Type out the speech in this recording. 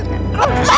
siapa aja tolong